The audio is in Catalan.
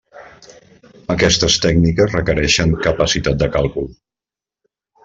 Aquestes tècniques requereixen capacitat de càlcul.